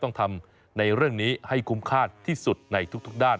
ต้องทำในเรื่องนี้ให้คุ้มค่าที่สุดในทุกด้าน